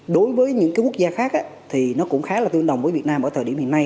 đối với những quốc gia khác thì nó cũng khá là tương đồng với việt nam ở thời điểm hiện nay